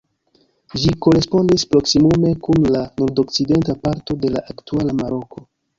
Ĝi korespondis proksimume kun la nordokcidenta parto de la aktuala Maroko.